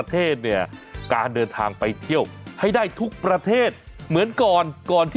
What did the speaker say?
สวัสดีคุณชิสานะฮะสวัสดีคุณชิสานะฮะ